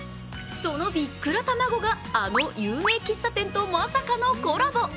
そのびっくらたまごがあの有名喫茶店とまさかのコラボ。